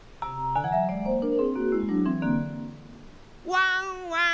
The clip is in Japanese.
・ワンワン